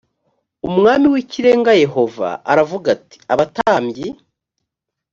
umwami w’ikirenga yehova aravuga ati “abatambyi